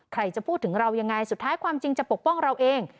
ใครจะพูดถึงเรายังไงสุดท้ายความจริงจะปกป้องเราเอง